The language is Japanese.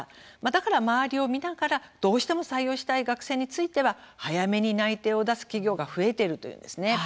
だから周りを見ながらどうしても採用したい学生については早めに内定を出す企業が増えているのです。